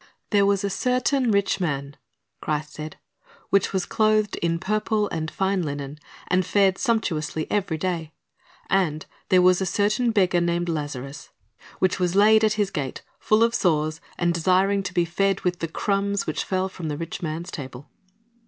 "There was a certain rich man," Christ said, "which was clothed in purple and fine linen, and fared sumptuously every day. And there was a certain beggar named Lazarus, which ( 260) Based on Luke 16: 19 31 "A Great Gulf Fixed'' 261 was laid at his gate, full of sores, and desiring to be fed with the crumbs which fell from the rich man's table."